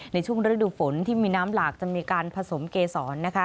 ในช่วงฤดูฝนที่มีน้ำหลากจะมีการผสมเกษรนะคะ